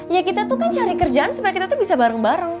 ya kita tuh kan cari kerjaan supaya kita tuh bisa bareng bareng